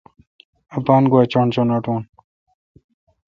اپان گواچݨ چݨ اٹوُن۔